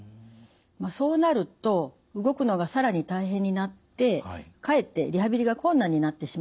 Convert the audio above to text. そうなると動くのが更に大変になってかえってリハビリが困難になってしまいます。